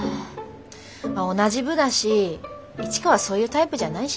まあ同じ部だし市川そういうタイプじゃないしね。